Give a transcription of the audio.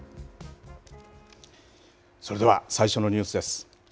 それでは最初のニュースです。